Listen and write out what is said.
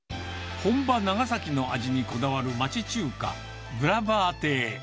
本場、長崎の味にこだわる町中華、グラバー亭。